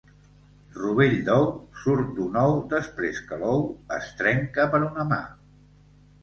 Rovell d'ou surt d'un ou després que l'ou es trenca per una mà